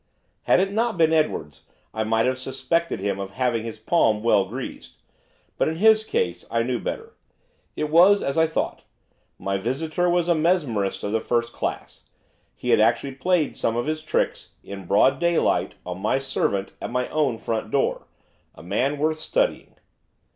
Had it not been Edwards I might have suspected him of having had his palm well greased, but, in his case, I knew better. It was as I thought, my visitor was a mesmerist of the first class; he had actually played some of his tricks, in broad daylight, on my servant, at my own front door, a man worth studying.